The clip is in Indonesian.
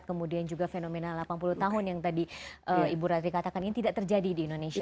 kemudian juga fenomena delapan puluh tahun yang tadi ibu ratri katakan ini tidak terjadi di indonesia